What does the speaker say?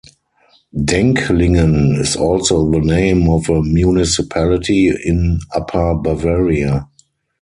Denklingen is also the name of a municipality in Upper Bavaria.